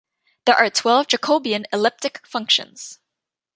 There are twelve Jacobian elliptic functions.